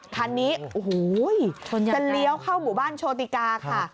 คันนี้โอ้โหจะเลี้ยวเข้าหมู่บ้านโชติกาค่ะ